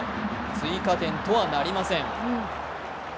追加点とはなりません。